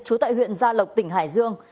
chú tại huyện gia lộc tỉnh hải dương